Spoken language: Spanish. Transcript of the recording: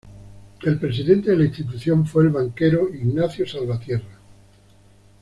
El presidente de la institución fue el banquero Ignacio Salvatierra.